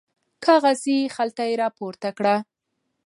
کاغذي خلطه یې راپورته کړه.